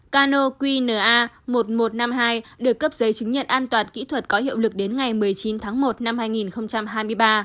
cano qna một nghìn một trăm năm mươi hai được cấp giấy chứng nhận an toàn kỹ thuật có hiệu lực đến ngày một mươi chín tháng một năm hai nghìn hai mươi ba